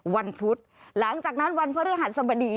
วันพุธหลังจากนั้นวันพระฤหัสสบดี